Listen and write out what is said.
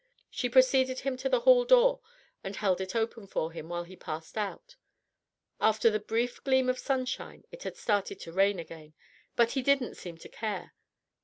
She preceded him to the hall door and held it open for him, while he passed out. After the brief gleam of sunshine it had started to rain again, but he didn't seem to care.